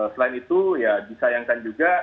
selain itu ya disayangkan juga